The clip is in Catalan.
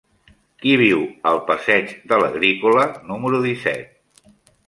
Qui viu al passeig de l'Agrícola número disset?